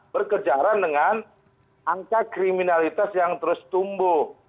berkejaran dengan angka kriminalitas yang terus tumbuh